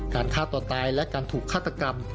ฆ่าตัวตายและการถูกฆาตกรรม